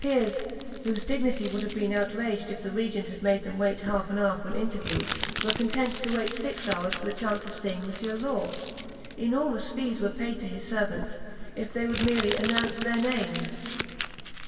Peers, whose dignity would have been outraged if the regent had made them wait half an hour for an interview, were content to wait six hours for the chance of seeing Monsieur Law. Enormous fees were paid to his servants, if they would merely announce their names.